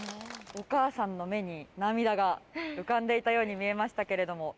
お母さんの目に涙が浮かんでいたように見えましたけれども。